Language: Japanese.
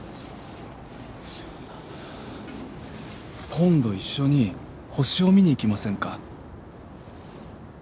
今度一緒に星を見に行きませんか？